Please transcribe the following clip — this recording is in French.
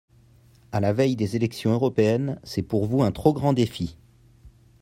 À la veille des élections européennes, c’est pour vous un trop grand défi.